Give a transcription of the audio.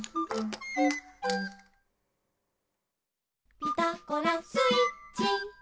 「ピタゴラスイッチ」